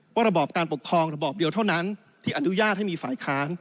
ระบอบการปกครองระบอบเดียวเท่านั้นที่อนุญาตให้มีฝ่ายค้าน